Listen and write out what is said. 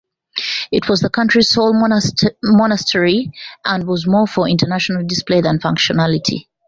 It was the country's sole monastery and was more for international display than functionality.